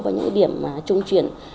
và những điểm trung truyền